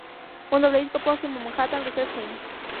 Un doble disco póstumo, "Manhattan Research Inc.